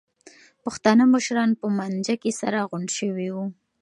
پښتانه مشران په مانجه کې سره غونډ شوي وو.